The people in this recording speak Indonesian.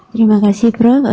terima kasih prof